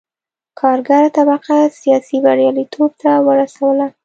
کارګره طبقه سیاسي بریالیتوب ته ورسوله.